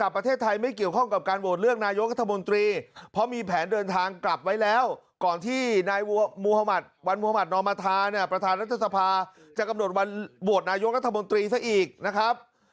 ประธานรัฐสภาจะกำหนดวันโหวดนายกรรธมนตรีซะอีกนะครับ